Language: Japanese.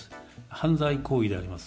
犯罪行為であります。